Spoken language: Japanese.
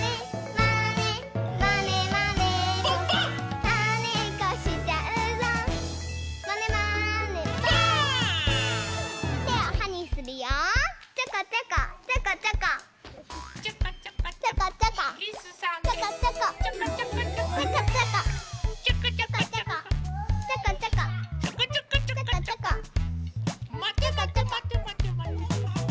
まてまてまてまてまて。